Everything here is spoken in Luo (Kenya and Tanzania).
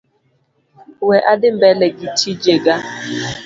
We adhi mbele gi tijega.